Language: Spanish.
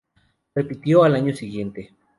Repitió al año siguiente.